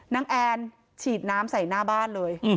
แอนฉีดน้ำใส่หน้าบ้านเลย